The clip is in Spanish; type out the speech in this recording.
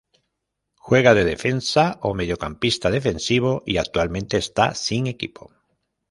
Juega de defensa o mediocampista defensivo y actualmente está sin equipo.